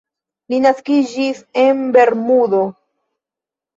Li naskiĝis en Bermudo.